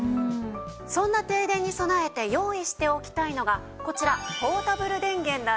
そんな停電に備えて用意しておきたいのがこちらポータブル電源なんです。